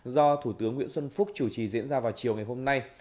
do thủ tướng nguyễn xuân phúc chủ trì diễn ra vào chiều ngày hôm nay